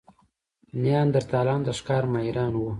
نیاندرتالان د ښکار ماهران وو.